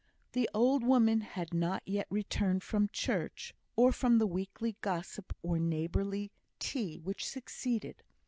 The old woman had not yet returned from church, or from the weekly gossip or neighbourly tea which succeeded.